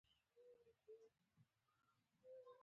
د مذهب او سیاسي سلسه مراتبو ابتدايي جوړښت یې درلود